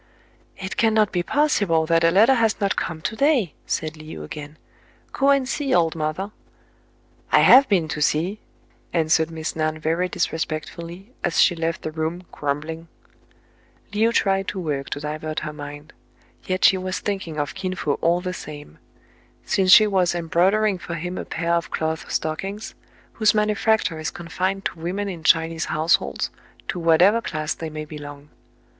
" It cannot be possible that a letter has not come to day," said Le ou again. "Go and see, old mother." "I have been to see," answered Miss Nan very disrespectfully, as she left the room, grumbling, Le ou tried to work to divert her mind : yet she was thinking of Kin Fo all the same ; since she was embroidering for him a pair of cloth stockings, whose manufacture is confined to women in Chinese households, to whatever class they may belong.